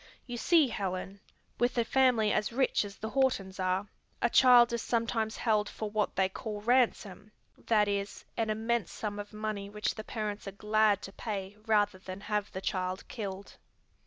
You see, Helen, with a family as rich as the Hortons are, a child is sometimes held for what they call ransom; that is, an immense sum of money which the parents are glad to pay rather than have the child killed."